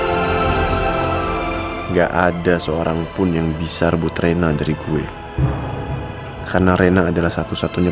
enggak ada seorangpun yang bisa rebut rena jadi gue karena rena adalah satu satunya